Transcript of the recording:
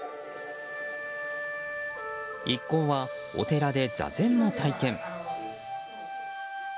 一行はお寺で座禅も体験。